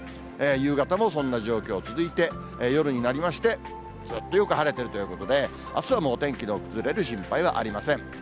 夕方もそんな状況続いて夜になりまして、ずっとよく晴れてるということで、あすはもう、お天気の崩れる心配はありません。